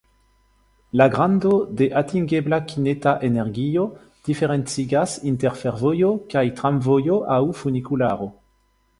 La grando de atingebla kineta energio diferencigas inter fervojo kaj tramvojo aŭ funikularo.